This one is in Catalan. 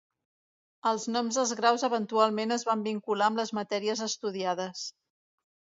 Els noms dels graus eventualment es van vincular amb les matèries estudiades.